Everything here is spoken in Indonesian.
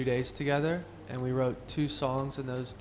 lagu pertama pada hari pertama itu oke